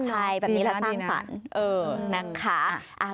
ใช่แบบนี้เราสร้างสรรค์